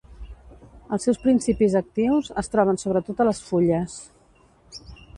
Els seus principis actius es troben sobretot a les fulles.